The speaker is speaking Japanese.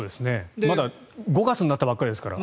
まだ５月になったばかりですから。